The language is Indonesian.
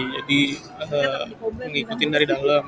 jadi mengikuti dari dalam